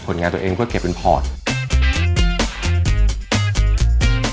ผลงานตัวเองก็เก็บเป็นพอร์ต